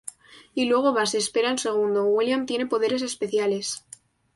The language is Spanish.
Y luego vas, espera un segundo, William tiene poderes especiales.